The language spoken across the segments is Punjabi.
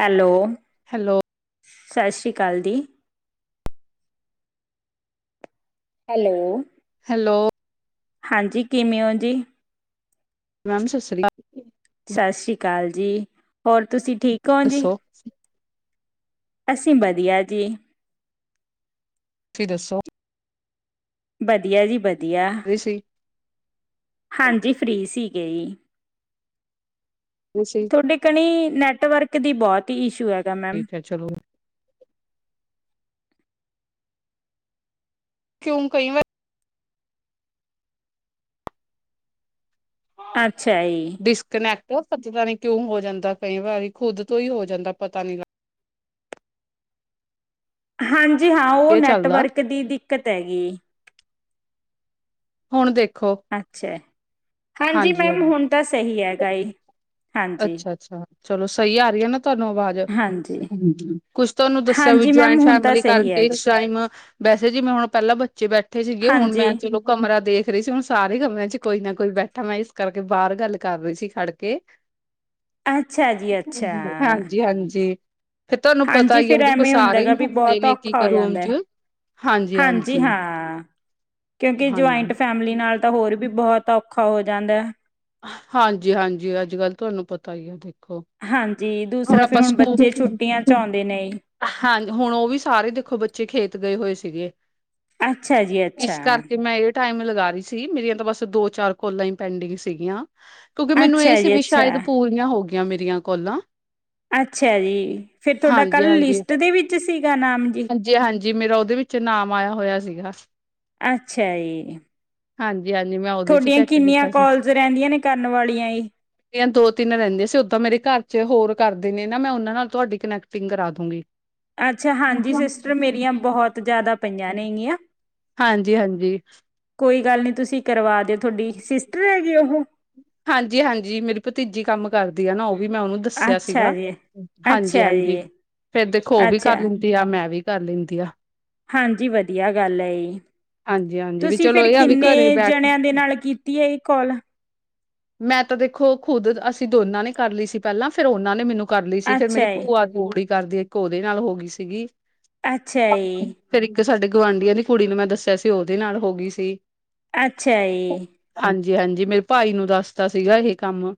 ਹੈਲੋ। ਹੈਲੋ। ਸਸ਼੍ਰੀ ਕਾਲ ਦੀ। ਹੈਲੋ। ਹੈਲੋ। ਹਾਂਜੀ, ਕਿਮੇਂ ਓ ਜੀ? ਮੈਮ, ਸਤਿ ਸ੍ਰੀ ਅਕਾਲ। ਸਤਿ ਸ਼੍ਰੀ ਅਕਾਲ ਜੀ, ਹੋਰ ਤੁਸੀਂ ਠੀਕ ਹੋ ਜੀ? ਦੱਸੋ? ਅਸੀਂ ਵਧੀਆ ਜੀ। ਤੁਸੀ ਦੱਸੋ? ਵਧੀਆ ਜੀ ਵਧੀਆ, ਸੀ ਹਾਂਜੀ ਫ੍ਰੀ ਸੀਗੇ ਜੀ। ਅਛੇ ਡ ਕਣੀ, ਨੈਟਵਰਕ ਦੀ ਬਹੁਤ ਈ ਇਸ਼ੂ ਹੈਗਾ ਮੈਮ। ਕਿ ਚਲੋ ਕਿਉਂ ਕਈ ਵਾਰ ਅੱਛਾ ਜੀ। ਡਿਸਕਨੈਕਟ ਪਤਾ ਕਿਉਂ ਹੋ ਜਾਂਦਾ ਕਈ ਵਾਰ, ਖੁਦ ਤੋਂ ਈ ਹੋ ਜਾਂਦਾ ਪਤਾ ਨੀ ਲੱ ਹਾਂਜੀ-ਹਾਂ, ਉਹ ਇਹ ਚੱਲਦਾ ਨੈਟਵਰਕ ਦੀ ਦਿੱਕਤ ਹੈਗੀ। ਹੁਣ ਦੇਖੋ ਅੱਛਾ, ਹਾਂਜੀ ਮੈਮ ਹੁਣ ਤਾਂ ਸਹੀ ਹੈਗਾ ਈ। ਅੱਛਾ-ਅੱਛਾ, ਚਲੋ ਸਹੀ ਆ ਰਹੀ ਆ ਨਾ ਤੁਹਾਨੂੰ ਅਵਾਜ਼? ਹਾਂਜੀ। ਕੁਛ ਤੁਹਾਨੂੰ ਦੱਸਿਆ ਵੀ ਹਾਂਜੀ ਮੈਮ, ਜੁਆਇੰਟ ਹੁਣ ਤਾਂ ਫੈਮਲੀ ਸਹੀ ਕਰਕੇ ਹੈਗੀ। ਇਸ ਟਾਈਮ ਵੈਸੇ ਜਿਵੇਂ ਹੁਣ ਪਹਿਲਾਂ ਬੱਚੇ ਬੈਠੇ ਸੀਗੇ, ਹੁਣ ਹਾਂਜੀ, ਮੈਂ ਚਲੋ ਕਮਰਾ ਦੇਖ ਰਹੀ ਸੀ, ਹੁਣ ਸਾਰੇ ਕਮਰਿਆਂ'ਚ ਕੋਈ ਨਾ ਕੋਈ ਬੈਠਾ ਮੈਂ ਇਸ ਕਰਕੇ ਬਾਹਰ ਗੱਲ ਕਰ ਰਹੀ ਸੀ ਖੜਕੇ। ਅੱਛਾ ਜੀ, ਅੱਛਾ। ਹਾਂਜੀ ਹਾਂਜੀ। ਫਿਰ ਤੁਹਾਨੂੰ ਪਤਾ ਹਾਂਜੀ, ਹੀ ਹੈ ਫਿਰ ਦੇਖੋ ਐਵੇਂ ਹੁੰਦਾ ਸਾਰੇ ਹੀ ਹੈਗਾ ਵੀ ਹੁੰਦੇ ਬਹੁਤ ਨੇ ਇੱਕ ਇੱਕ ਔਖਾ ਹੋ ਰੂਮ ਜਾਂਦੈ। ਚ ਹਾਂਜੀ ਹਾਂਜੀ ਹਾਂਜੀ-ਹਾਂ, ਕਿਉਂਕਿ ਹਾਂਜੀ ਜੁਆੰਇਟ ਫੈਮਲੀ ਨਾਲ ਤਾ ਹੋਰ ਵੀ ਬਹੁਤ ਔਖਾ ਹੋ ਜਾਂਦਾ। ਹਾਂਜੀ-ਹਾਂਜੀ, ਅੱਜ-ਕੱਲ ਤੁਹਾਨੂੰ ਪਤਾ ਈ ਆ ਦੇਖੋ। ਹਾਂਜੀ, ਦੂਸਰਾ ਫਿਰ ਆਪਾਂ ਹੁਣ ਬੱਚੇ ਸਕੂਲ ਛੁੱਟੀਆਂ'ਚ ਆਉਂਦੇ ਨਹੀਂ। ਹਾਂ, ਹੁਣ ਉਹ ਵੀ ਸਾਰੇ ਦੇਖੋ ਬੱਚੇ ਖੇਤ ਗਏ ਹੋਏ ਸੀਗੇ। ਅੱਛਾ ਜੀ ਅੱਛਾ ਇਸ ਕਰਕੇ ਮੈਂ ਇਹ ਟਾਈਮ ਲਗਾ ਰਹੀ ਸੀ, ਮੇਰੀਆਂ ਤਾਂ ਬਸ ਦੋ-ਚਾਰ ਕੋਲਾ ਈ ਪੈਂਡਿੰਗ ਸੀਗੀਆਂ। ਕਿਉਂਕਿ ਮੈਨੂੰ ਇਹ ਅੱਛਾ ਜੀ ਸੀਵੀ ਅੱਛਾ ਸ਼ਾਇਦ ਪੂਰੀਆਂ ਹੋਗਿਆਂ ਮੇਰੀਆਂ ਕੋਲਾਂ। ਅੱਛਾ ਜੀ ਫਿਰ ਤੁਹਾਡਾ ਹਾਂਜੀ ਕੱਲ ਲਿਸਟ ਦੇ ਵਿੱਚ ਸੀਗਾ ਨਾਮ ਜੀ? ਜੀ ਹਾਂਜੀ, ਮੇਰਾ ਉਹਦੇ ਵਿੱਚ ਨਾਮ ਆਇਆ ਹੋਇਆ ਸੀਗਾ। ਅੱਛਾ ਜੀ। ਹਾਂਜੀ-ਹਾਂਜੀ, ਮੈਂ ਉਹਦੇ ਚ ਤੁਹਾਡੀਆਂ ਚੈੱਕ ਕਿੰਨੀਆਂ ਕੀਤਾ ਸੀ ਕੋਲਜ ਰਹਿੰਦੀਆਂ ਨੇ, ਕਰਨ ਵਾਲੀਆਂ? ਦੋ-ਤਿੰਨ ਰਹਿੰਦੀ ਆ ਸੀ, ਓਦਾਂ ਮੇਰੇ ਘਰ'ਚ ਹੋਰ ਕਰਦੇ ਨੇ ਨਾ, ਮੈਂ ਉਹਨਾਂ ਨਾਲ ਤੁਹਾਡੀ ਕਨੈਕਟਿੰਗ ਕਰਾ ਦੂੰਗੀ। ਅੱਛਾ, ਹਾਂਜੀ, ਸਿਸਟਰ ਮੇਰੀਆਂ ਬਹੁਤ ਜ਼ਿਆਦਾ ਪਈਆਂ ਨੇ ਹੈਗੀਆਂ। ਹਾਂਜੀ-ਹਾਂਜੀ। ਕੋਈ ਗੱਲ ਨਹੀਂ, ਤੁਸੀਂ ਕਰਵਾ ਦਿਓ ਥੋਡੀ ਸਿਸਟਰ ਹੈਗੇ ਉਹ? ਹਾਂਜੀ-ਹਾਂਜੀ, ਮੇਰੀ ਭਤੀਜੀ ਕੰਮ ਕਰਦੀ ਆ ਨਾ ਉਹ ਵੀ ਮੈਂ ਉਹਨੂੰ ਦੱਸਿਆ ਅੱਛਾ ਸੀਗਾ, ਜੀ, ਅੱਛਾ ਹਾਂਜੀ-ਹਾਂਜੀ, ਜੀ, ਫੇਰ ਦੇਖੋ ਉਹ ਵੀ ਕਰ ਅੱਛਾ ਲੈਂ ਤੇ ਆਹ ਮੈਂ ਵੀ ਕਰ ਲੇਂਦੀ ਆ। ਹਾਂਜੀ ਵਧੀਆ ਗੱਲ ਆ ਜੀ, ਹਾਂਜੀ ਹਾਂਜੀ ਵੀ ਤੁਸੀਂ ਚਲੋ ਫਿਰ ਇਹ ਆ ਵੀ ਘਰੇ ਕਿੰਨੇ ਬੈਠ ਜਣਿਆਂ ਦੇ ਨਾਲ ਕੀਤੀ ਐ, ਇਹ ਕੌਲ? ਮੈਂ ਤਾਂ ਦੇਖੋ ਖੁਦ ਅਸੀਂ ਦੋਨਾਂ ਨੇ ਕਰ ਲਈ ਸੀ ਪਹਿਲਾਂ, ਫਿਰ ਉਹਨਾਂ ਨੇ ਮੈਨੂੰ ਕਰ ਲਈ ਸੀ, ਫਿਰ ਮੇਰੀ ਅੱਛਾ ਜੀ, ਭੂਆ ਮੋੜੀ ਕਰਦੀ ਇੱਕ ਉਹਦੇ ਨਾਲ ਹੋ ਗਈ ਸੀਗੀ ਅੱਛਾ ਜੀ ਫੇਿਰ ਇੱਕ ਸਾਡੇ ਗੁਆਂਢੀਆਂ ਦੀ ਕੁੜੀ ਨੂੰ ਮੈਂ ਦੱਸਿਆ ਸੀ, ਉਹਦੇ ਨਾਲ ਹੋ ਗਈ ਸੀ ਅੱਛਾ ਜੀ ਹਾਂਜੀ ਹਾਂਜੀ ਮੇਰੇ ਭਾਈ ਨੂੰ ਦੱਸਦਾ ਸੀਗਾ ਇਹ ਕੰਮ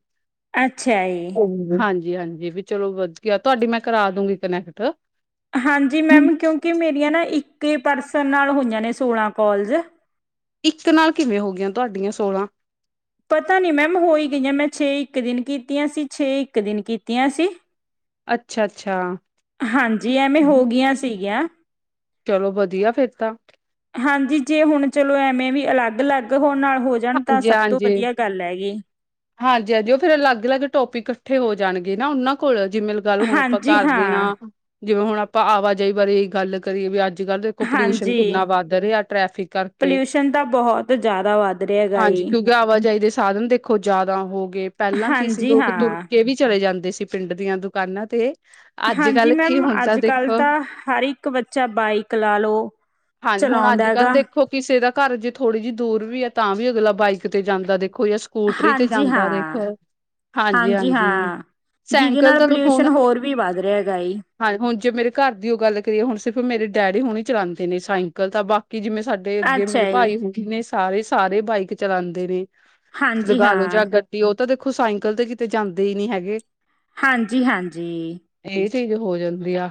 ਅੱਛਾ ਜੀ ਹਾਂਜੀ ਹਾਂਜੀ ਵੀ ਚਲੋ ਵਧੀਆ, ਤੁਹਾਡੀ ਮੈਂ ਕਰਾ ਦੂੰਗੀ ਕਨੈਕਟ ਹਾਂਜੀ ਮੈਮ ਕਿਉਂਕਿ ਮੇਰੀਆਂ ਨਾ ਇੱਕ ਈ ਪਰਸਨ ਨਾਲ ਹੋਈਆਂ ਨੇ ਸੋਲਾਂ ਕੋਲਸ ਇੱਕ ਨਾਲ ਕਿਵੇਂ ਹੋ ਗਈਆਂ ਤੁਹਾਡੀਆਂ ਸੋਲਾਂ ਪਤਾ ਨੀ ਮੈਮ ਹੋ ਹੀ ਗਈਆਂ, ਮੈਂ ਛੇ ਇੱਕ ਦਿਨ ਕੀਤੀਆਂ ਸੀ ਛੇ ਇੱਕ ਦਿਨ ਕੀਤੀਆਂ ਸੀ ਅੱਛਾ ਅੱਛਾ ਹਾਂਜੀ ਐਵੇਂ ਹੋ ਗਿਆਂ ਸੀਗੀਆਂ ਚਲੋ ਵਧੀਆ ਫੇਰ ਤਾਂ ਹਾਂਜੀ ਜੇ ਹੁਣ ਚਲੋ ਐਵੇਂ ਵੀ ਅਲੱਗ ਅਲੱਗ ਹੋਣ ਨਾਲ ਹੋ ਜਾਣ, ਤਾਂ ਸਭ ਤੋਂ ਵਧੀਆ ਗੱਲ ਹੈਗੀ ਹਾਂਜੀ ਹਾਂਜੀ ਓਥੇ ਫਿਰ ਅਲੱਗ ਅਲੱਗ ਟੋਪਿਕ ਇਕੱਠੇ ਹੋ ਜਾਣਗੇ ਨਾ, ਉਹਨਾਂ ਬਿਲਕੁਲ ਜਿਵੇਂ ਗੱਲ ਹੁਣ ਆਪਾਂ ਹਾਂਜੀ ਕਰਦੇ ਹਾਂ, ਆਂ, ਜਿਵੇਂ ਹੁਣ ਆਪਾਂ ਆਵਾਜਾਈ ਬਾਰੇ ਗੱਲ ਕਰੀਏ ਵੀ ਅੱਜ ਅੱਜ ਕੱਲ੍ਹ ਦੇਖੋ ਪੋਲਿਊਸ਼ਨ ਹਾਂਜੀ। ਕਿੰਨਾ ਵੱਧ ਰਿਹਾ, ਟ੍ਰੈਫਿਕ ਕਰਕੇ ਪੋਲਿਊਸ਼ਨ ਤਾਂ ਬਹੁਤ ਜ਼ਿਆਦਾ ਵੱਧ ਰਿਹਾ ਹੈਗਾ ਏ। ਹਾਂਜੀ ਕਿਉਂਕਿ ਆਵਾਜਾਈ ਦੇ ਸਾਧਨ ਦੇਖੋ ਜ਼ਿਆਦਾ ਹੋ ਗਏ, ਪਹਿਲਾਂ ਕੀ ਸੀ ਹਾਂਜੀ ਲੋਕ ਤੁਰ ਹਾਂ, ਕੇ ਵੀ ਚਲੇ ਜਾਂਦੇ ਸੀ ਪਿੰਡ ਦੀਆਂ ਦੁਕਾਨਾਂ ਤੇ ਅੱਜ ਹਾਂਜੀ ਕੱਲ ਕੀ ਮੈਡਮ ਹੁੰਦਾ ਅੱਜ ਕੱਲ੍ਹ ਦੇਖੋ ਤਾਂ ਹਰ ਇੱਕ ਬੱਚਾ ਬਾਈਕ ਲਾ ਲਉ ਹਾਂਜੀ ਹੁਣ ਅੱਜ ਕੱਲ੍ਹ ਤੇ ਕਿਸੇ ਦਾ ਘਰ ਜੇ ਥੋੜੀ ਜਿਹੀ ਦੂਰ ਵੀ ਆ, ਤਾਂ ਵੀ ਅਗਲਾ ਬਾਈਕ ਤੇ ਜਾਂਦਾ ਦੇਖੋ ਯ ਸਕੂਟਰੀ ਤੇ ਹਾਂਜੀ ਜਾਂਦਾ ਹਾਂ, ਦੇਖੋ ਹਾਂਜੀ ਹਾਂ ਜਿਹਦੇ ਸਾਈਕਲ ਨਾਲ ਪੋਲਿਊਸ਼ਨ ਹੋਰ ਵੀ ਵੱਧ ਰਿਹਾ ਹੈਗਾ ਜੀ ਹਾਂਜੀ ਹੁਣ ਜੇ ਮੇਰੇ ਘਰ ਦੀ ਉਹ ਗੱਲ ਕਰੀਏ, ਹੁਣ ਸਿਰਫ਼ ਮੇਰੇ ਡੈਡੀ ਹੁਣੇ ਹੀ ਚਲਾਉਂਦੇ ਨੇ ਸਾਈਕਲ ਤਾਂ ਬਾ ਕਿ ਜਿਵੇਂ ਸਾਡੇ ਅੱਗੇ ਮੇਰੇ ਅੱਛਾ ਜੀ, ਭਾਈ ਹੋਏ ਨੇ ਸਾਰੇ, ਸਾਰੇ ਬਾਈਕ ਚਲਾਉਂਦੇ ਨੇ ਹਾਂਜੀ ਲਗਾ ਲੋ ਜਾਂ ਹਾਂ। ਗੱਡੀ, ਉਹ ਤਾਂ ਦੇਖੋ ਸਾਇਕਲ ਤੇ ਕਿਤੇ ਜਾਂਦੇ ਹੀ ਨਹੀਂ ਹੈਗੇ ਹਾਂਜੀ ਹਾਂਜੀ ਇਹ ਚੀਜ਼ ਹੋ ਜਾਂਦੀ ਆ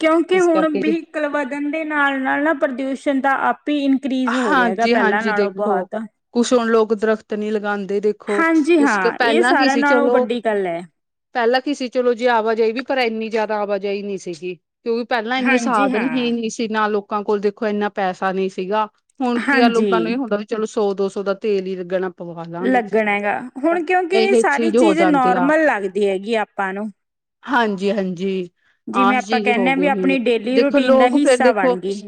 ਕਿਉਂਕਿ ਇਸ ਹੁਣ ਕਰਕੇ ਵੀਹਕਲ ਵਧਣ ਦੇ ਨਾਲ ਨਾਲ ਨਾ ਪ੍ਰਦੂਸ਼ਣ ਦਾ ਆਪ ਹੀ ਇਨ ਇਨਕਰੀਜ਼ ਹੋ ਰਿਹਾ ਹੈਗਾ, ਹਾਂਜੀ ਪਹਿਲਾਂ ਹਾਂਜੀ ਨਾਲੋਂ ਦੇਖੋ ਬਹੁਤ ਕੁਛ ਹੁਣ ਲੋਕ ਦਰਖਤ ਨਹੀਂ ਲਗਾਉਂਦੇ ਦੇਖੋ, ਹਾਂਜੀ ਉਸ ਹਾਂ ਇਹ ਪਹਿਲਾਂ ਕੀ ਸਾਰਿਆਂ ਸੀ ਨਾਲੋਂ ਚਲੋ ਵੱਡੀ ਗੱਲ ਹੈ। ਪਹਿਲਾਂ ਕੀ ਸੀ ਚਲੋ ਜੀ ਆਵਾਜਾਈ ਵੀ, ਪਰ ਇੰਨੀ ਜ਼ਿਆਦਾ ਆਵਾਜਾਈ ਨਹੀਂ ਸੀਗੀ ਕਿਉਂਕਿ ਪਹਿਲਾਂ ਇੰਨੇ ਹਾਂਜੀ ਸਾਧਨ ਹਾਂ। ਹੀ ਨਹੀਂ ਸੀ ਨਾ, ਲੋਕਾਂ ਕੋਲ ਦੇਖੋ ਇੰਨਾ ਪੈਸਾ ਨਹੀਂ ਸੀਗਾ ਹੁਣ ਕੀ ਆ ਲੋਕਾਂ ਨੂੰ ਇਹ ਹਾਂਜੀ ਹੁੰਦਾ, ਵੀ ਚਲੋ ਸੌ ਦੋ ਸੌ ਦਾ ਤੇਲ ਹੀ ਲੱਗਣਾ ਪਵਾ ਲਾਂਗੇ ਲੱਗਣਾ ਹੈਗਾ, ਹੁਣ ਕਿਉਂਕਿ ਇਹ ਸਾਰੀ ਚੀਜ਼ ਨੋਰਮਲ ਲੱਗਦੀ ਹੈਗੀ ਆਪਾਂ ਨੂੰ ਹਾਂਜੀ ਹਾਂਜੀ ਜਿਵੇਂ ਆਹ ਆਪਾਂ ਚੀਜ਼ ਕਹਿੰਦੇ ਹੋ ਹਾਂ ਗਈ ਵੀ ਹੁਣ, ਆਪਣੀ ਡੇਲੀ ਦੇਖੋ ਰੂਟੀਨ ਦਾ ਲੋਕ ਫੇਰ ਹਿੱਸਾ ਦੇਖੋ ਬਣ ਗਈ।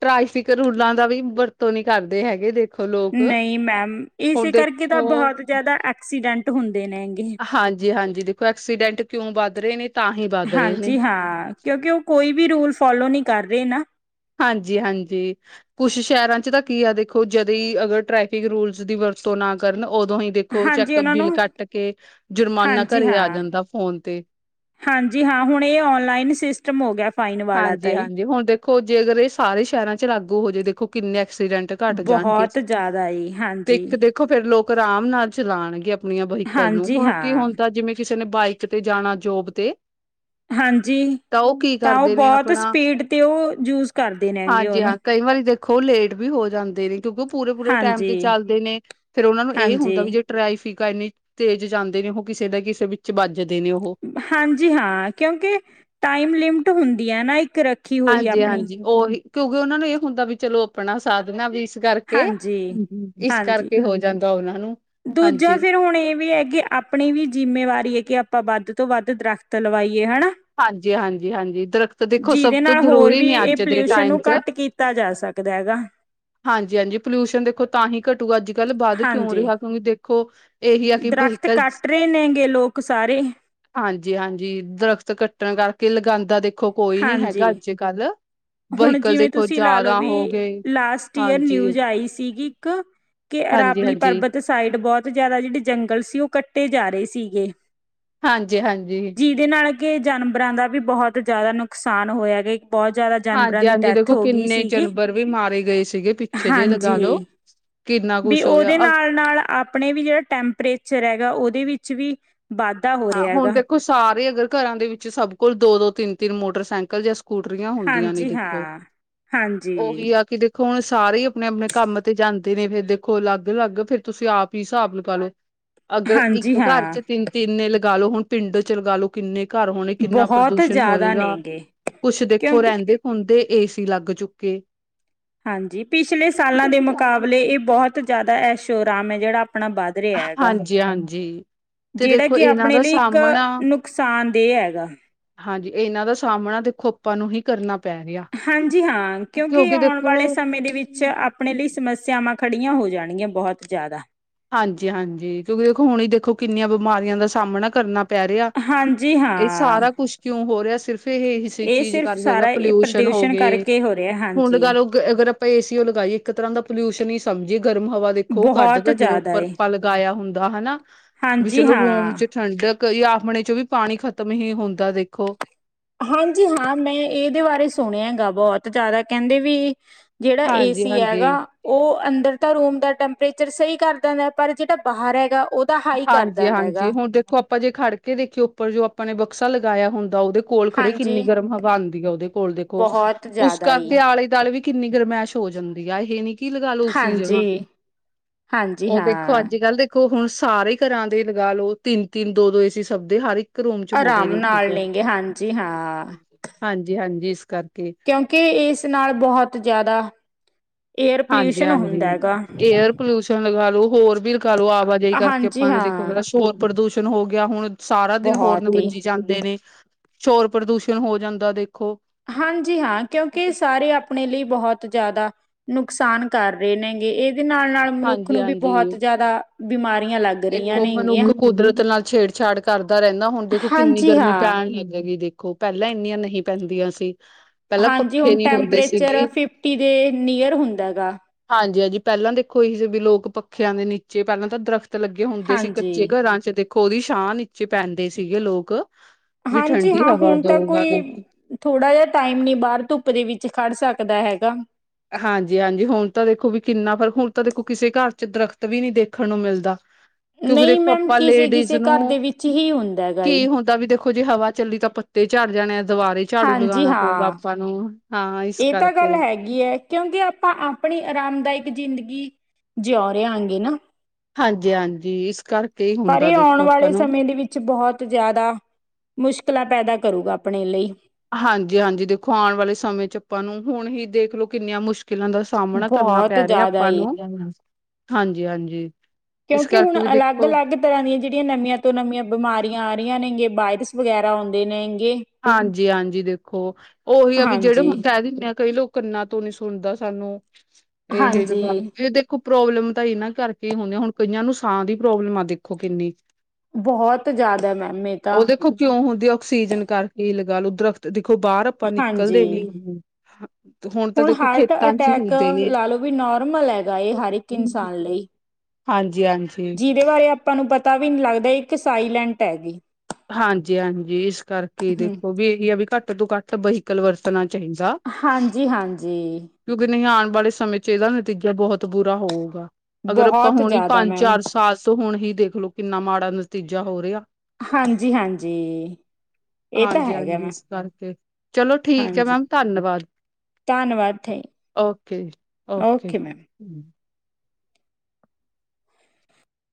ਟਰੈਫਿਕ ਰੂਲਾਂ ਦਾ ਵੀ ਵਰਤੋਂ ਨੀ ਕਰਦੇ ਹੈਗੇ ਦੇ ਨਹੀਂ ਮੈਡਮ ਇਸੇ ਕਰਕੇ ਤਾਂ ਦੇਖੋ ਬਹੁਤ ਜ਼ਿਆਦਾ ਐਕਸੀਡੈਂਟ ਹੁੰਦੇ ਨੇ ਹਾਂਜੀ ਹਾਂਜੀ ਦੇਖੋ ਐਕਸੀਡੈਂਟ ਕਿਉਂ ਵੱਧ ਰਹੇ ਨੇ, ਤਾਂ ਹੀ ਵੱਧ ਰਹੇ ਨੇ ਹਾਂਜੀ ਹਾਂ ਕਿਉਂਕਿ ਉਹ ਕੋਈ ਵੀ ਰੂਲ ਫੋਲੋ ਨੀ ਕਰ ਰਹੇ ਨਾ ਹਾਂਜੀ ਹਾਂਜੀ ਕੁਛ ਸ਼ਹਿਰਾਂ ਚ ਤਾਂ ਕੀ ਆ ਦੇਖੋ ਜਦੋਂ ਈ ਅਗਰ ਟ੍ਰੈਫਿਕ ਰੂਲਸ ਦੀ ਵਰਤੋਂ ਨਾ ਕਰਨ ਉਦੋਂ ਈ ਦੇਖੋ ਹਾਂਜੀ ਚੈੱਕਅਪ ਉਹਨਾਂ ਬਿੱਲ ਨੂੰ ਕੱਟ ਕੇ ਜੁਰਮਾਨਾ ਹਾਂਜੀ ਘਰੇ ਆ ਹਾਂ। ਜਾਂਦਾ ਫੋਨ ਤੇ ਹਾਂਜੀ ਹਾਂ ਹੁਣ ਇਹ ਓਨਲਾਈਨ ਸਿਸਟਮ ਹੋ ਗਿਆ ਫਾਈਨ ਵਾਲਾ ਤਾ ਜੀ ਹਾਂਜੀ-ਹਾਂਜੀ ਹੁਣ ਦੇਖੋ ਜੇ ਅਗਰ ਇਹ ਸਾਰੇ ਸ਼ਹਿਰਾਂ ਚ ਲਾਗੂ ਹੋ ਜੇ ਦੇਖੋ ਕਿੰਨੇ ਐਕਸੀਡੈਂਟ ਘੱਟ ਬਹੁਤ ਜ਼ਿਆਦਾ ਜੀ ਹਾਂਜੀ ਵੇਖੋ ਫੇਰ ਲੋਕ ਆਰਾਮ ਨਾਲ ਚਲਾਉਣਗੇ ਆਪਣੀਆਂ ਵਹੀਕਲ ਨੂੰ ਹਾਂਜੀ ਹੁਣ ਕੀ ਹਾਂ ਹੁਣ ਤਾਂ ਜਿਵੇਂ ਕਿਸੇ ਨੇ ਬਾਈਕ ਤੇ ਜਾਣਾ ਜੋਬ ਤੇ ਹਾਂਜੀ ਤਾਂ ਉਹ ਕੀ ਤਾਂ ਉਹ ਕਰਦੇ ਨੇ ਬਹੁਤ ਆਪਣਾ ਸਪੀਡ ਤੇ ਉਹ ਯੂਜ ਕਰਦੇ ਨੇ ਗੇ ਹਾਂਜੀ ਉਨੂੰ ਹਾਂ ਕਈ ਵਾਰੀ ਦੇਖੋ ਲੇਟ ਵੀ ਹੋ ਜਾਂਦੇ ਨੇ ਕਿਉਂਕਿ ਪੂਰੇ ਪੂਰੇ ਟਾਈਮ ਤੇ ਹਾਂਜੀ ਚਲਦੇ ਨੇ ਫੇਰ ਉਨਾਂ ਨੂੰ ਇਹ ਹੁੰਦਾ ਹਾਂਜੀ ਵੀ ਜੇ ਟਰਾਇਫਿਕ ਆ ਇੰਨੀ ਤੇਜ਼ ਜਾਂਦੇ ਨੇ ਉਹ ਕਿਸੇ ਨਾ ਕਿਸੇ ਵਿੱਚ ਵੱਜਦੇ ਨੇ ਉਹ ਹਾਂਜੀ ਹਾਂ ਕਿਉਂਕਿ ਟਾਈਮ ਲਿਮਿਟ ਹੁੰਦੀ ਆ ਨਾ ਇੱਕ ਰ ਹਾਂਜੀ ਹਾਂਜੀ ਉਹੀ ਕਿਉਂਕਿ ਉਨਾਂ ਨੂੰ ਇਹ ਹੁੰਦਾ ਵੀ ਚਲੋ ਆਪਣਾ ਸਾਧਨਾ ਵੀ ਇਸ ਕਰਕੇ ਹਾਂਜੀ ਕੇ ਇਸ ਹਾਂਜੀ ਕਰਕੇ ਹੋ ਜਾਂਦਾ ਉਨਾਂ ਨੂੰ ਦੂਜਾ ਫੇਰ ਹਾਂਜੀ-ਹਾਂਜੀ, ਹੁਣ ਇਹ ਵੀ ਐ ਕਿ ਆਪਣੀ ਵੀ ਜਿੰਮੇਵਾਰੀ ਐ ਕਿ ਆਪਾਂ ਵੱਧ ਤੋਂ ਵੱਧ ਦਰਖਤ ਲਵਾਈਏ ਹਨਾ ਹਾਂਜੀ ਹਾਂਜੀ ਹਾਂਜੀ ਦਰਖਤ ਦੇਖੋ ਸਭ ਜਿਹਦੇ ਤੋਂ ਨਾਲ ਜ਼ਰੂਰੀ ਨੇ ਅੱਜ ਦੇ ਟਾਈਮ ਚ ਦਿੱਤਾ ਜਾ ਸਕਦਾ ਗਾ ਹਾਂਜੀ ਹਾਂਜੀ ਪੋਲਿਊਸ਼ਨ ਦੇਖੋ ਤਾਂ ਹੀ ਘਟੂਗਾ ਅੱਜ ਕੱਲ੍ਹ ਵੱਧ ਕਿਉਂ ਹਾਂਜੀ ਰਿਹਾ ਕਿਉਂਕਿ ਦੇਖੋ ਇਹੀ ਆ ਕਿ ਦਰਖਤ ਵਹੀਕਲ ਕੱਟ ਰਹੇ ਨੇਗੇ ਲੋਕ ਸਾਰੇ ਹਾਂਜੀ ਹਾਂਜੀ ਦਰਖਤ ਕੱਟਣ ਕਰਕੇ ਲਗਾਦਾ ਦੇਖੋ ਕੋਈ ਨੀ ਹੈਗਾ ਹਾਂਜੀ ਅੱਜ ਕੱਲ ਹੁਣ ਵਹੀਕਅਲ ਜਿਵੇਂ ਦੇਖੋ ਤੁਸੀਂ ਲਾ ਜ਼ਿਆਦਾ ਹੋ ਗਏ ਹਾਂਜੀ ਈ ਸੀਗੀ ਇੱਕ ਕਿ ਅਰਾਬਲੀ ਹਾਂਜੀ-ਹਾਂਜੀ, ਪਰਬਤ ਸਾਈਡ ਬਹੁਤ ਜ਼ਿਆਦਾ ਜਿਹੜੇ ਜੰਗਲ ਸੀ ਉਹ ਕੱਟੇ ਜਾ ਰਹੇ ਸੀਗੇ ਹਾਂਜੀ ਹਾਂਜੀ ਜਿਦੇ ਨਾਲ ਕਿ ਜਾਨਵਰਾਂ ਦਾ ਵੀ ਬਹੁਤ ਜ਼ਿਆਦਾ ਨੁਕਸਾਨ ਹੋਇਆਗਾ ਇਕ ਬਹੁਤ ਜ਼ਿਆਦਾ ਜਾਨਵਰਾਂ ਦੀ ਹਾਂਜੀ-ਹਾਂਜੀ ਡੈਥ ਦੇਖੋ ਹੋ ਗੀ ਕਿੰਨੇ ਸੀਗੀ ਜਾਨਵਰ ਵੀ ਮਾਰੇ ਗਏ ਸੀਗੇ ਪਿੱਛੇ ਜੇ ਲਗਾ ਲੋ। ਹਾਂਜੀ ਕਿੰਨਾ ਵੀ ਕੁਛ ਹੋਇਆ ਉਦੇ ਨਾਲ ਨਾਲ ਆਪਣੇ ਵੀ ਜਿਹੜਾ ਟੈਂਪਰੇਚਰ ਹੈਗਾ ਉਦੇ ਵਿੱਚ ਵੀ ਵਾਧਾ ਹੋ ਹਾਂ ਰਿਹਾ ਹੁਣ ਹੈਗਾ ਦੇਖੋ ਸਾਰੇ ਅਗਰ ਘਰਾਂ ਦੇ ਵਿੱਚ ਸਭ ਕੋਲ ਦੋ ਦੋ ਤਿੰਨ ਤਿੰਨ ਮੋਟਰਸਾਈਕਲ ਜਾਂ ਸਕੂਟਰੀਆਂ ਹੁੰਦੀਆਂ ਨੀ ਹਾਂਜੀ ਦੇਖੋ ਹਾਂ ਹਾਂਜੀ। ਉਹੀ ਆ ਕਿ ਦੇੋ ਖੋ ਹੁਣ ਸਾਰੇ ਹੀ ਆਪਣੇ ਆਪਣੇ ਕੰਮ ਤੇ ਜਾਂਦੇ ਨੇ ਫੇਰ ਦੇਖੋ ਲੱਗ ਲੱਗ ਫੇਰ ਤੁਸੀਂ ਆਪ ਈ ਸਾਬ ਲਗਾ ਲਓ ਅਗਰ ਇੱਕ ਹਾਂਜੀ ਘਰ ਹਾਂ ਚ ਤਿੰਨ ਤਿੰਨ ਨੇ ਲਗਾ ਲੋ ਹੁਣ ਪਿੰਡ ਚ ਲਗਾ ਲੋ ਕਿੰਨੇ ਘਰ ਹੋਣੇ ਕਿੰਨਾ ਬਹੁਤ ਪ੍ਰਦੂਸ਼ਣ ਜ਼ਿਆਦਾ ਨੇ ਹੋਏਗਾ ਗੇ ਕੁਛ ਦੇਖੋ ਕਿਉਂਕਿ ਰਿੰਦੇ ਹੁਣ ਤੇ ਏ ਸੀ ਲੱਗ ਚੁੱਕੇ ਹਾਂਜੀ ਪਿਛਲੇ ਸਾਲਾਂ ਦੇ ਮੁਕਾਬਲੇ ਇਹ ਬਹੁਤ ਜ਼ਿਆਦਾ ਐਸ਼ੋਰਾਮ ਹੈ ਜਿਹੜਾ ਆਪਣਾ ਬਾਧ ਹਾਂਜੀ ਹਾਂਜੀ ਤੇ ਜਿਹੜਾ ਦੇਖੋ ਕਿ ਇਹਨਾਂ ਆਪਣੇ ਦਾ ਲਈ ਇੱਕ ਸਾਹਮਣਾ ਨੁਕਸਾਨਦੇਹ ਐਗਾ ਹਾਂਜੀ ਇਹਨਾਂ ਦਾ ਸਾਹਮਣਾ ਦੇਖੋ ਆਪਾਂ ਨੂੰ ਹੀ ਕਰਨਾ ਪੈ ਰਿਹਾ ਹਾਂਜੀ ਹਾਂ ਕਿਉਂਕਿ ਆਉਣ ਵਾਲੇ ਸਮੇਂ ਦੇ ਵਿੱਚ ਆਪ ਆਪਣੇ ਲਈ ਸਮੱਸਿਆਵਾਂ ਖੜੀਆਂ ਹੋ ਜਾਣਗੀਆਂ ਬਹੁਤ ਜ਼ਿਆਦਾ ਹਾਂਜੀ-ਹਾਂਜੀ, ਕਿਉਂਕਿ ਦੇਖੋ ਹੁਣ ਹੀ ਦੇਖੋ ਕਿੰਨੀਆਂ ਬਿਮਾਰੀਆਂ ਦਾ ਸਾਹਮਣਾ ਕਰਨਾ ਪੈ ਰਿਆ, ਹਾਂਜੀ ਇਹ ਹਾਂ ਸਾਰਾ ਕੁਛ ਕਿਉਂ ਹੋ ਰਿਹਾ ਸਿਰਫ ਫਿਰੇ ਇਹ ਏਸੀ ਸਿਰਫ ਕਾਰਨ ਜੋਗ ਸਾਰਾ ਇਹ ਪੋਲੂਸ਼ਨ ਹੋ ਪ੍ਰਦੂਸ਼ਣ ਗਏ। ਕਰਕੇ ਹੋ ਰਿਹਾ ਹੁਣ, ਹਾਂਜੀ। ਲਗਾਲੋ ਅਗਰ ਆਪਾਂ ਏਸੀ ਉਹ ਲਗਾਈਏ ਇੱਕ ਤਰ੍ਹਾਂ ਦਾ ਪੋਲਿਊਸ਼ਨ ਹੀ ਸਮਝੀਏ ਗਰਮ ਹਵਾ ਦੇਖੋ ਕੱਢ ਬਹੁਤ ਦਾ। ਜਦੋਂ ਜ਼ਿਆਦਾ ਉਪਰ ਏ ਆਪਾਂ ਲਗਾਇਆ ਹੁੰਦਾ ਹੈਨਾ, ਵੀ ਹਾਂਜੀ ਚਲੋ ਰੂਮ ਹਾਂ। 'ਚ ਠੰਡਕ ਜਾਂ, ਆਪਣੇ' ਚ ਵੀ ਪਾਣੀ ਖਤਮ ਹੀ ਹੁੰਦਾ ਦੇਖੋ, ਹਾਂਜੀ ਹਾਂ, ਮੈਂ ਏਦੇ ਬਾਰੇ ਸੁਣਿਆ ਹੈਗਾ ਬੋਤ ਜਾਦਾ ਕੈਂਦੇ ਵੀ ਜੇੜਾ ਹਾਂਜੀ ਏਸੀ ਹਾਂਜੀ ਹੈਗਾ ਓ ਅੰਦਰ ਤਾਂ ਰੂਮ ਦਾ ਟੈਂਪਰੇਚਰ ਸਹੀ ਕਰ ਦੇਂਦਾ ਪਰ, ਜੇੜਾ ਬਾਹਰ ਹੈਗਾ ਓ ਹਾਂਜੀ-ਹਾਂਜੀ, ਹੁਣ ਦੇ ਖੋ ਆਪਾਂ ਜੇ ਖੜ ਕੇ ਦੇਖਿਓ ਉੱਪਰ ਜੋ ਆਪਾਂ ਨੇ ਬਕਸਾ ਲਗਾਇਆ ਹੁੰਦਾ ਓਦੇ ਕੋਲ ਖੜੇ ਹਾਂਜੀ ਕਿੰਨੀ ਗਰਮ ਹਵਾ ਆਂਦੀ। ਓਦੇ ਕੋਲ ਦੇਖੋ, ਬਹੁਤ ਉਸ ਜ਼ਿਆਦਾ ਕਰਕੇ ਹੀ ਆਲੇ-ਦੁਆਲੇ ਵੀ ਕਿੰਨੀ ਗਰਮੈਸ਼ ਹੋ ਜਾਂਦੀ ਇਹ ਨੀ ਕੀ ਲਗਾ ਲੋ ਓਸੀ ਜਗ੍ਹਾ ਹਾਂਜੀ ਹਾਂਜੀ ਓ ਹਾਂ ਦੇਖੋ ਅੱਜ-ਕੱਲ੍ਹ ਦੇ ਦੇਖੋ, ਹੁਣ ਸਾਰੇ ਘਰਾਂ ਦੇ ਲਗਾ ਲਓ ਤਿੰਨ-ਤਿੰਨ, ਦੋ-ਦੋ ਏਸੀ ਸਭ ਦੇ ਹਰ ਇੱਕ ਰੂਮ' ਚ ਹੁੰਦੇ ਆਰਾਮ ਨੇ ਠੀਕ, ਨਾਲ ਲੈਂਗੇ ਹਾਂਜੀ ਹਾਂ ਹਾਂਜੀ-ਹਾਂਜੀ, ਇਸ ਕਰਕੇ ਕਿਉਂਕਿ ਏਸ ਨਾਲ ਬਹੋਤ ਜਾਦਾ ਏਅਰ ਹਾਂਜੀ ਪੋਲਿਊਸ਼ਨ ਹੁੰਦਾ ਹਾਂਜੀ ਹੈਗਾ। ਏਅਰ ਪੋਲਿਊਸ਼ਨ ਲਗਾ ਲੋ, ਹੋਰ ਵੀ ਲਗਾਲੋ ਆਵਾਜਾਈ ਕਰਕੇ ਹਾਂਜੀ ਆਪਾਂ ਨੇ ਹਾਂ ਦੇਖੋ ਹੋਰ ਪ੍ਰਦੂਸ਼ਣ ਹੋ ਗਿਆ ਹੁਣ, ਸਾਰਾ ਦਿਨ ਹੋਰਨ ਬਹੁਤ ਹੀ ਵੱਜੀ ਜਾਂਦੇ ਨੇ। ਸ਼ੋਰ ਪ੍ਰਦੂਸ਼ਣ ਹੋ ਜਾਂਦਾ ਦੇਖੋ। ਹਾਂਜੀ, ਹਾਂ ਕਿਉਂਕਿ ਸਾਰੇ ਆਪ ਆਪਣੇ ਲਈ ਬਹੋਤ ਜਾਦਾ ਨੁਕਸਾਨ ਕਰ ਰਹੇ ਨੇਗੇ। ਏਦੇ ਨਾਲ-ਨਾਲ ਮਨੁੱਖ ਹਾਂਜੀ ਨੂੰ ਵੀ ਹਾਂਜੀ ਬਹੋਤ ਜਾਦਾ ਬਿਮਾਰੀਆਂ ਲੱਗ ਰਹੀਆਂ ਦੇਖੋ, ਨੇਗੀਆਂ ਮਨੁੱਖ ਕੁਦਰਤ ਨਾਲ ਛੇੜਛਾੜ ਕਰਦਾ ਰੈਂਦਾ ਹੁਣ ਦੇਖੋ, ਕਿੰਨੀ ਹਾਂਜੀ ਗਰਮੀ ਹਾਂ ਪੈਣ ਲੱਗੇਗੀ ਦੇਖ। ਖੋ ਪੈਲਾਂ ਏਨੀਆਂ ਨਹੀਂ ਪੈਂਦੀਆਂ ਸੀ। ਪੈਲਾਂ ਪੱਖੇ ਨਹੀਂ ਹੁੰਦੇ ਸੀਗੇ। ਟੀ ਦੇ ਨੀਅਰ ਹੁੰਦਾ ਹੈਗਾ। ਹਾਂਜੀ-ਹਾਂਜੀ, ਪੈਲਾਂ ਦੇਖੋ ਏਹੀ ਸੀ ਵੀ ਲੋਕ ਪੱਖਿਆਂ ਦੇ ਨੀਚੇ ਪੈਲਾਂ ਤਾਂ ਦਰਖਤ ਲੱਗੇ ਹੁੰਦੇ ਸੀ। ਕੱਚੇ ਹਾਂਜੀ ਘਰਾਂ ਚ ਦੇਖੋ, ਓਦੀ ਛਾਹ ਨੀਚੇ ਪੈਂਦੇ ਸੀਗੇ ਲੋਕ। ਵੀ ਹਾਂਜੀ ਠੰਡੀ ਹਾਂ, ਹਵਾ ਹੁਣ ਤਾਂ ਦਊਗਾ ਕੋਈ ਦੇਖੋ ਥੋੜਾ ਜਾ ਟਾਈਮ ਨੀ ਬਾਹਰ ਧੁੱਪ ਦੇ ਵਿੱਚ ਖੜ ਸਕਦਾ ਹੈਗਾ। ਹਾਂਜੀ-ਹਾਂਜੀ, ਹੁਣ ਤਾਂ ਦੇਖੋ ਵੀ ਕਿੰਨਾ ਫਰਕ ਹੁਣ ਤਾਂ ਦੇਖੋ ਕਿਸੇ ਘਰ ਚ ਦਰਖਤ ਵੀ ਨੀਂ ਦੇਖਣ ਨੂੰ ਮਿਲਦਾ। ਕਿਉਂਕਿ ਨਹੀਂ ਦੇਖੋ, ਮੈਮ ਆਪਾਂ ਕਿਸੇ ਲੇਡੀਜ਼ ਕਿਸੇ ਘਰ ਨੂੰ ਦੇ ਵਿੱਚ ਹੀ ਹੁੰਦਾ ਹੈਗਾ ਕੀ ਈ। ਹੁੰ ਦਾ ਵੀ ਦੇਖੋ ਜੇ ਹਵਾ ਚੱਲੀ ਤਾਂ, ਪੱਤੇ ਝੜ ਜਾਣੇ। ਦੁਵਾਰੇ ਝਾੜੂ ਹਾਂਜੀ ਲਗਾਉਣਾ ਪਊਗਾ ਹਾਂ ਆਪਾਂ ਨੂੰ ਹਾਂ, ਏਸ ਕਰਕੇ। ਹੈਗੀਏ ਕਿਉਂਕਿ ਆਪਾਂ ਆਪਣੀ ਆਰਾਮਦਾਇਕ ਜ਼ਿੰਦਗੀ ਜਿਉ ਰੀ ਆਂਗੇ ਨਾ। ਹਾਂਜੀ-ਹਾਂਜੀ, ਇਸ ਕਰਕੇ ਹੀ ਪਰ, ਹੁੰਦਾ ਏ ਆਉਣ ਦੇਖੋ ਆਪਾਂ ਵਾਲੇ ਨੂੰ ਸਮੇਂ ਦੇ ਵਿੱਚ ਚ ਬਹੋਤ ਜਾਦਾ ਮੁਸ਼ਕਿਲਾਂ ਪੈਦਾ ਕਰੂਗਾ, ਆਪਣੇ ਲਈ। ਹਾਂਜੀ-ਹਾਂਜੀ, ਦੇਖੋ ਆਉਣ ਵਾਲੇ ਸਮੇਂ ਚ ਆਪਾਂ ਨੂੰ ਹੁਣ ਹੀ ਦੇਖਲੋ ਕਿੰਨੀਆਂ ਮੁਸ਼ਕਿਲਾਂ ਮੁਸ਼ਕਿਲਾਂ ਦਾ ਸਾਮਣਾ ਕਰਨਾ ਬਹੁਤ ਪੈ ਰੇਯਾ ਜ਼ਿਆਦਾ ਆਪਾਂ ਏ ਨੂੰ, ਹਾਂਜੀ-ਹਾਂਜੀ। ਇਸ ਕਿਉਂਕਿ ਕਰਕੇ ਹੁਣ ਵੀ ਦੇਖੋ ਅਲੱਗ-ਅਲੱਗ ਤਰ੍ਹਾਂ ਦੀਆਂ ਜੇੜੀਆਂ ਨਵੀਆਂ ਤੋਂ ਨਵੀਆਂ ਬਿਮਾਰੀਆਂ ਆ ਰਹੀਆਂ ਨੇਗੇ ਵਾਇਰਸ ਵਗੈਰਾ ਆਉਂਦੇ ਨੇਗੇ। ਹਾਂਜੀ-ਹਾਂਜੀ ਦੇਖੋ, ਓਹੀ ਆ ਵੀ ਜੇੜੇ ਹਾਂਜੀ ਹੁਣ ਕੈ ਦਿੰਦੇ ਆ ਕਈ ਲੋਕ ਕੰਨਾ ਤੋਂ ਨੀ ਸੁਣਦਾ ਸਾਨੂੰ ਹਾਂਜੀ ਏਹੀ ਪ੍ਰੋਬਲਮ ਤਾਂ ਏਨਾਂ ਕਰਕੇ ਹੁੰਦੀ ਹੁਣ, ਕਈਆਂ ਨੂੰ ਸਾਹ ਦੀ ਪ੍ਰੋਬਲਮ ਆ ਦੇਖੋ ਕਿੰਨੀ ਬਹੋਤ ਜਾਦਾ, ਮੈਮ ਏ ਤਾਂ ਉਹ ਦੇਖੋ ਕਿਉਂ ਹੁੰਦੀ ਆਕਸੀਜਨ ਕਰਕੇ ਲਗਾ ਲੋ, ਦਰੱਖਤ ਦੇਖੋ ਬਾਹਰ ਆਪਾਂ ਨਿਕਲਦੇ ਹਾਂਜੀ, ਨੀ ਤਾਂ ਹੁਣ ਦੇਖੋ ਹਾਰਟ ਖੇਤਾਂ 'ਚ ਹੀ ਅਟੈਕ ਹੁੰਦੇ ਨੇ ਲਾ ਲਓ ਵੀ ਨੋਰਮਲ ਐ ਗਾਏ, ਹਰ ਇੱਕ ਇਨਸਾਨ ਲਈ। ਹਾਂਜੀ-ਹਾਂਜੀ। ਜਿਹਦੇ ਬਾਰੇ ਆਪਾਂ ਨੂੰ ਪਤਾ ਵੀ ਨੀ ਲੱਗਦਾ ਇੱਕ ਸਾਈਲੈਂਟ ਹੈਗੀ। ਹਾਂਜੀ-ਹਾਂਜੀ ਇਸ ਕਰਕੇ ਹਮ ਦੇਖੋ ਵੀ ਇਹ ਆ ਵੀ ਘੱਟ ਤੋਂ ਘੱਟ ਵਹੀਕਲ ਵਰਤਣਾ ਚਾਹੀਦਾ। ਹਾਂਜੀ-ਹਾਂਜੀ। ਕਿਉਂਕਿ ਨਈ ਆਉਣ ਵਾਲੇ ਸਮੇਂ ਚ ਇਹਦਾ ਨਤੀਜਾ ਬੋਹਤ ਬੁਰਾ ਹੋਊਗਾ। ਅਗਰ ਆਪਾਂ ਬਹੁਤ ਹੁਣ ਹੀ ਜ਼ਿਆਦਾ ਮੈਮ ਪੰਜ-ਚਾਰ ਸਾਲ ਸ ਹੁਣ ਹੀ ਦੇਖਲੋ ਕਿੰਨਾ ਮਾੜਾ ਨਤੀਜਾ ਹੋ ਰਿਆ। ਹਾਂਜੀ-ਹਾਂਜੀ। ਹਾਂਜੀ-ਹਾਂਜੀ ਇਸ ਕਰਕੇ ਚਲੋ ਠੀਕ ਹੈ ਹਾਂਜੀ ਮੈਮ ਧੰਨਵਾਦ। ਧੰਨਵਾਦ ਥੈਂ ਓਕੇ-ਓਕੇ। Okay ma'am